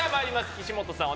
岸本さん